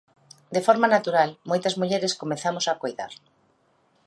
De forma natural, moitas mulleres comezamos a coidar.